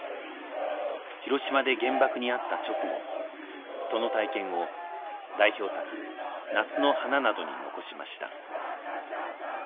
広島で原爆に遭った直後その体験を代表作「夏の花」などに残しました。